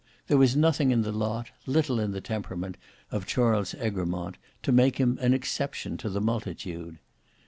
There was nothing in the lot, little in the temperament, of Charles Egremont, to make him an exception to the multitude.